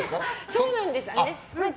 そうなんです。